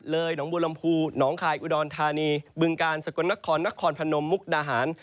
เลยหนองบูรรมภูหนองคายอิกวิดอนธานีบึงกาลสกลนครนครพนมมุกนาหาร